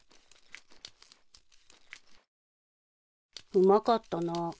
うまかったな。